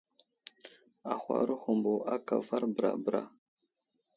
Ahwaro humbo aka avar bəra bəra.